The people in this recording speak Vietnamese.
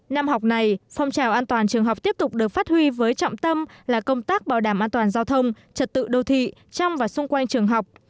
năm học này phong trào an toàn trường học tiếp tục được phát huy với trọng tâm là công tác bảo đảm an toàn giao thông trật tự đô thị trong và xung quanh trường học